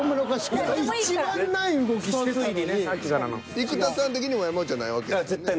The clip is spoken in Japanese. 生田さん的にも山内はないわけですもんね？